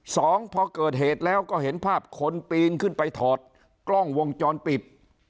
สองพอเกิดเหตุแล้วก็เห็นภาพคนปีนขึ้นไปถอดกล้องวงจรปิด